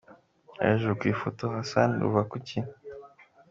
Hejuru ku ifoto : Hassan Ruvakuki.